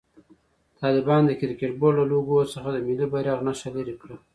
طالبانو د کرکټ بورډ له لوګو څخه د ملي بيرغ نښه لېري کړه.